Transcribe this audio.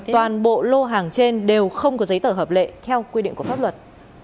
toàn bộ lô hàng trên đều không có giấy tờ hợp lệ theo quy định của pháp luật